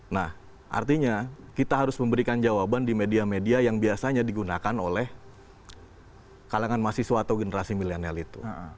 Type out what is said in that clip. nah artinya kita harus memberikan jawaban di media media yang biasanya digunakan oleh kalangan mahasiswa atau generasi milenial itu